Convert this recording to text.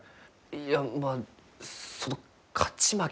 いやまあその勝ち負けでは。